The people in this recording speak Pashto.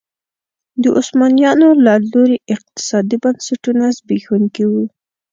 د عثمانیانو له لوري اقتصادي بنسټونه زبېښونکي وو.